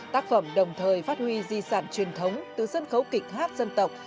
tác phẩm đồng thời phát huy di sản truyền thống từ sân khấu kịch hát dân tộc